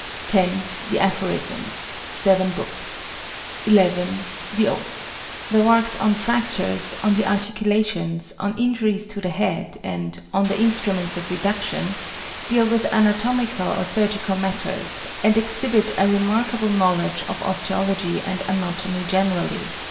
10. The Aphorisms [Seven Books]. 11. The Oath. The works "On Fractures," "On the Articulations," "On Injuries to the Head," and "On the Instruments of Reduction," deal with anatomical or surgical matters, and exhibit a remarkable knowledge of osteology and anatomy generally.